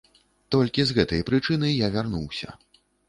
Толькі з гэтай прычыны я вярнуўся.